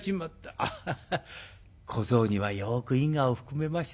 アッハッハッ小僧にはよく因果を含めました。